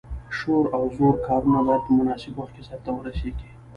شور او زور کارونه باید په مناسب وخت کې سرته ورسیږي.